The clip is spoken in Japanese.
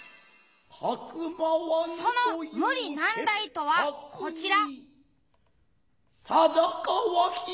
その無理難題とはコチラ！